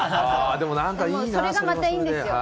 それがまたいいんですよ。